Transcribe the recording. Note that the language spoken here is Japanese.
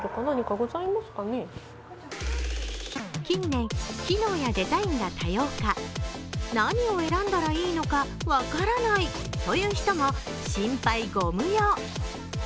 近年、機能やデザインが多様化、何を選んだらいいのか分からないという人も心配ご無用。